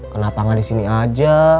kenapa nggak di sini aja